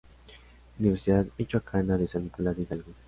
Universidad Michoacana de San Nicolás de Hidalgo